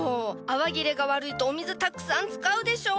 泡切れが悪いとお水たくさん使うでしょ！？